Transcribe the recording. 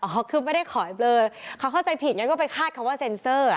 คือไม่ได้ขอให้เบลอเขาเข้าใจผิดงั้นก็ไปคาดคำว่าเซ็นเซอร์